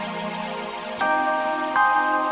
seharusnya pihak saya